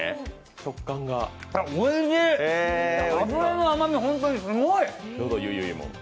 脂身の甘みが本当にすごい！